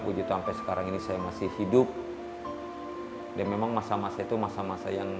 saya puji tampai sekarang ini saya masih hidup dengan masa masa itu masa masa yang